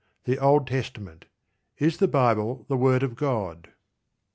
THE OLD TESTAMENT IS THE BIBLE THE WORD OF GOD?